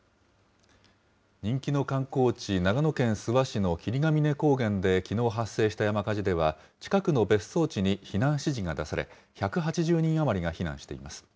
人気の観光地、長野県諏訪市の霧ヶ峰高原できのう発生した山火事では、近くの別荘地に避難指示が出され、１８０人余りが避難しています。